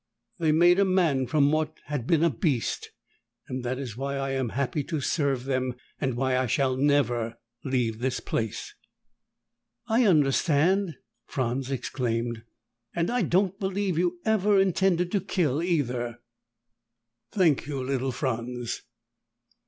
They made a man from what had been a beast. That is why I am happy to serve them and why I shall never leave this place!" "I understand!" Franz exclaimed. "And I don't believe you ever intended to kill either!" "Thank you, little Franz."